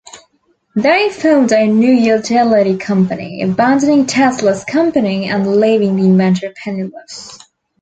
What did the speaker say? They formed a new utility company, abandoning Tesla's company and leaving the inventor penniless.